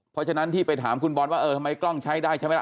เพราะฉะนั้นที่ไปถามคุณบอลว่าเออทำไมกล้องใช้ได้ใช่ไหมล่ะ